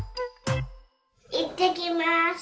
いってきます。